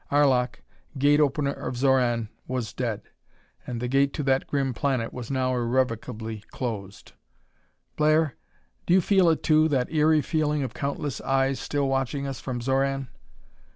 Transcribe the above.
Arlok, Gate opener of Xoran, was dead and the Gate to that grim planet was now irrevocably closed! "Blair, do you feel it too, that eery feeling of countless eyes still watching us from Xoran?"